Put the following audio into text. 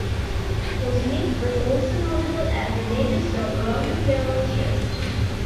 Fort Smith was also notable as a major stop along the Trail of Tears.